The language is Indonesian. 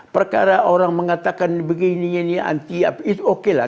perkara orang mengatakan begini begini anti anti itu okelah